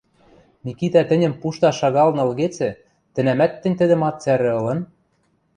– Микитӓ тӹньӹм пушташ шагалын ылгецӹ, тӹнӓмӓт тӹнь тӹдӹм ат цӓрӹ ылын?